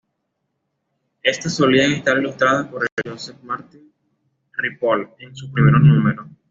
Éstas solían estar ilustradas por Josep Martí Ripoll en sus primeros números.